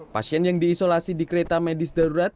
pasien yang diisolasi di kereta medis darurat